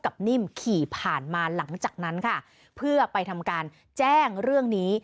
นิ่มขี่ผ่านมาหลังจากนั้นค่ะเพื่อไปทำการแจ้งเรื่องนี้